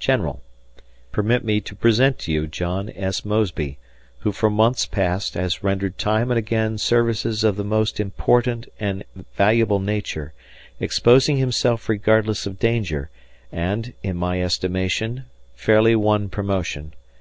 General: Permit me to present to you John S. Mosby, who for months past has rendered time and again services of the most important and valuable nature, exposing himself regardless of danger, and, in my estimation, fairly won promotion.